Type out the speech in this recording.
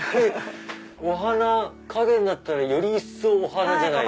お花影になったらより一層お花じゃないですか！